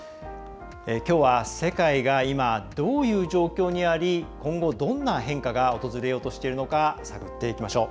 きょうは、世界が今、どういう状況にあり今後、どんな変化が訪れようとしているのか探っていきましょう。